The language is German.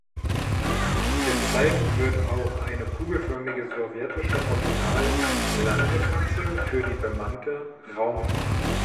Gezeigt wird auch eine kugelförmige sowjetische Original-Landekapsel für die bemannte Raumfahrt.